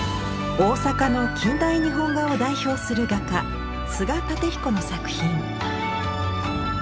大阪の近代日本画を代表する画家菅楯彦の作品。